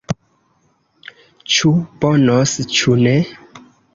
Ĉu bonos, ĉu ne.